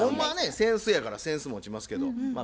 扇子やから扇子持ちますけどまあ